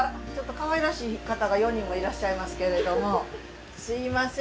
かわいらしい方が４人もいらっしゃいますけれどもすいません